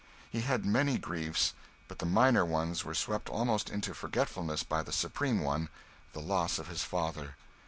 He had many griefs, but the minor ones were swept almost into forgetfulness by the supreme one, the loss of his father.